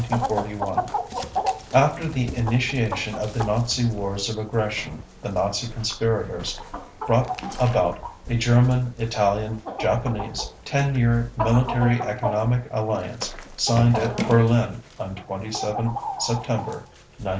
_ After the initiation of the Nazi wars of aggression the Nazi conspirators brought about a German Italian Japanese 10 year military economic alliance signed at Berlin on 27 September 1940.